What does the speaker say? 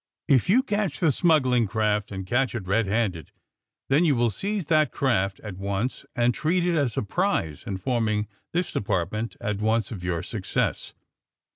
^*If you catch the smuggling craft, and catch it red handed, then you will seize that craft at once and treat it as a prize, informing this de partment at once of your success.